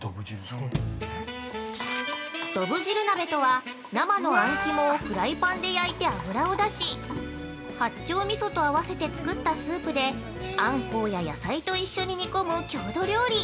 ◆どぶ汁鍋とは、生のあん肝をフライパンで焼いて脂を出し八丁味噌と合わせて作ったスープでアンコウや野菜と一緒に煮込む郷土料理。